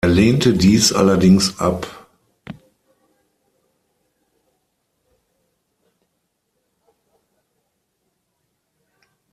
Er lehnte dies allerdings ab.